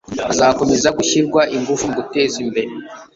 hazakomeza gushyirwa ingufu mu guteza imbere